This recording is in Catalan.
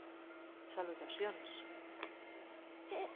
Salutacions!